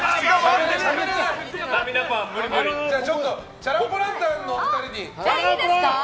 チャラン・ポ・ランタンさんのお二人に。